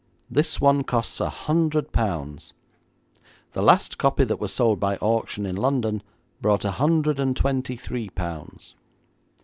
This one costs a hundred pounds. The last copy that was sold by auction in London brought a hundred and twenty three pounds.